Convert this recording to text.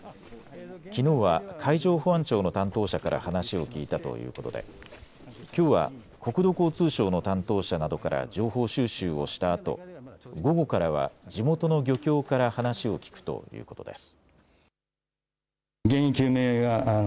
きのうは海上保安庁の担当者から話を聞いたということできょうは国土交通省の担当者などから情報収集をしたあと午後からは地元の漁協から話を聞くということです。